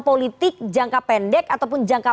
politik jangka pendek ataupun jangka